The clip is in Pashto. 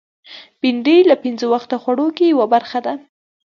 بېنډۍ له پینځه وخته خوړو کې یوه برخه ده